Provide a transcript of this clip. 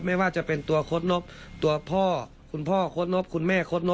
ทั้งบ้านเลยครับไม่ว่าจะเป็นตัวตัวพ่อคุณพ่อคุณแม่